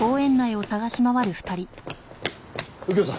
右京さん！